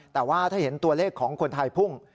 แต่ว่าถ้าเห็นตัวเลขของคนไทยพุ่ง